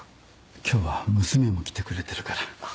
今日は娘も来てくれてるから。